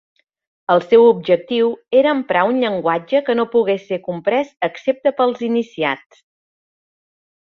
El seu objectiu era emprar un llenguatge que no pogués ser comprès excepte pels iniciats.